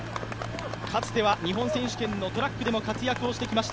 かつては日本選手権のトラックでも活躍してきました。